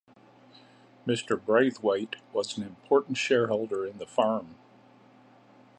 Mr. Braithwaite was an important shareholder in the firm.